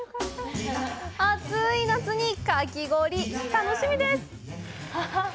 暑い夏にかき氷楽しみです！